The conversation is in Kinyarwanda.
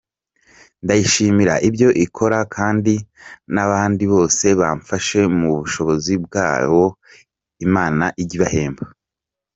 Ndayishimira ibyo ikora kandi n’abandi bose bamfasha mu bushobozi bwabo Imana ijye ibahemba.